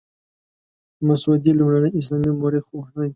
مسعودي لومړنی اسلامي مورخ دی.